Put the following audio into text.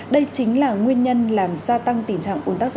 đây chính là nguyên nhân làm gia tăng tình trạng ủn tắc gia đình